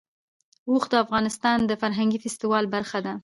اوښ د افغانستان د فرهنګي فستیوالونو برخه ده.